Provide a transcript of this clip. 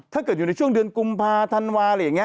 ถ้าเกิดอยู่ในช่วงเดือนกุมภาธันวาอะไรอย่างนี้